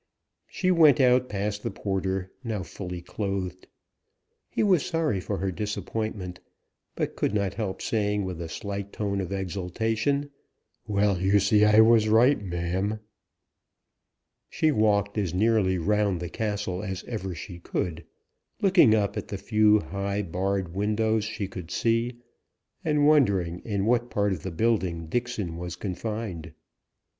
She went out past the porter, now fully clothed. He was sorry for her disappointment, but could not help saying, with a slight tone of exultation: "Well, you see I was right, ma'am!" She walked as nearly round the castle as ever she could, looking up at the few high barred windows she could see, and wondering in what part of the building Dixon was confined.